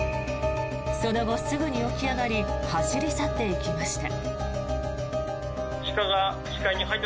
その後、すぐに起き上がり走り去っていきました。